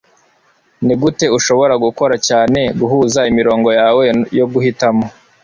Nigute ushobora gukora cyane guhuza imirongo yawe yo guhitamo!